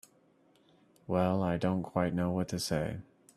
Well—I don't quite know what to say.